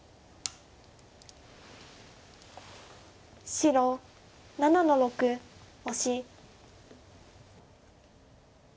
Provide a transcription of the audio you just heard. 白７の六オシ。